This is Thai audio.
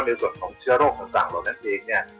หรือว่ามีส่วนของเชื้อโรคต่างเหล่านั้นเอง